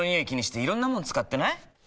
気にしていろんなもの使ってない？